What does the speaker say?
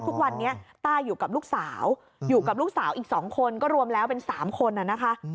ทุกวันนี้ต้าอยู่กับลูกสาวอยู่กับลูกสาวอีก๒คนก็รวมแล้วเป็น๓คนนะคะ